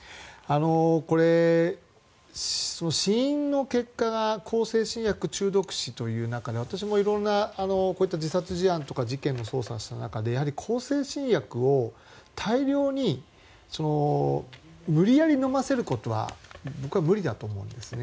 これ、死因の結果が向精神薬中毒死という中で私も色々なこういった自殺事案とか事件の捜査をした中で向精神薬を大量に無理やり飲ませることは僕は無理だと思うんですね。